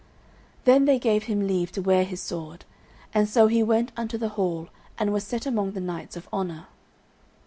Then they gave him leave to wear his sword, and so he went unto the hall and was set among the knights of honour.